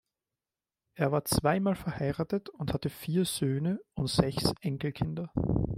Er war zweimal verheiratet und hatte vier Söhne und sechs Enkelkinder.